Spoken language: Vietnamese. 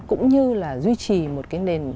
cũng như là duy trì một cái nền